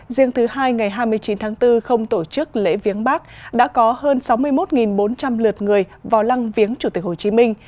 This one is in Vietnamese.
riêng thứ hai ngày hai mươi chín tháng bốn không tổ chức lễ viếng bắc đã có hơn sáu mươi một bốn trăm linh lượt người vào lăng viếng chủ tịch hồ chí minh